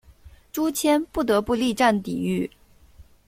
朱谦不得不力战抵御。